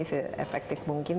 itu efektif mungkin